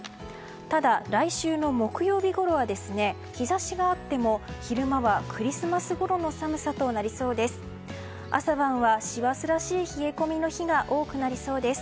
ただ、来週の木曜日ごろは日差しがあっても昼間は、クリスマスごろの寒さとなりそうです。